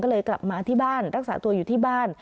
ก็เลยกลับมาที่บ้านรักษาตัวอยู่ที่บ้าน